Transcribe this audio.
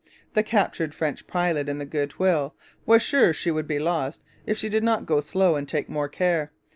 The captured French pilot in the Goodwill was sure she would be lost if she did not go slow and take more care.